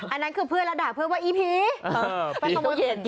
อันนั้นคือเพื่อนแล้วด่าเพื่อนว่าอีผีไปขโมย